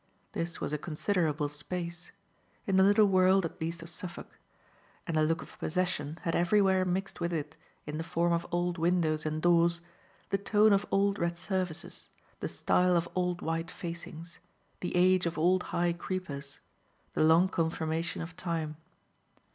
This was a considerable space in the little world at least of Suffolk and the look of possession had everywhere mixed with it, in the form of old windows and doors, the tone of old red surfaces, the style of old white facings, the age of old high creepers, the long confirmation of time.